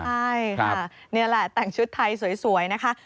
ใช่ค่ะนี่แหละแต่งชุดไทยสวยนะคะ